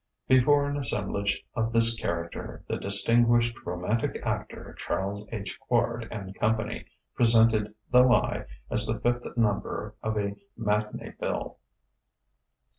Before an assemblage of this character, "The Distinguished Romantic Actor, Chas. H. Quard & Company," presented "The Lie" as the fifth number of a matinée bill.